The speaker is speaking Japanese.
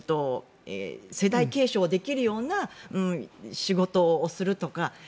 世代継承できるような仕事をするとか。